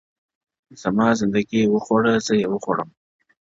زما زنده گي وخوړه زې وخوړم ـ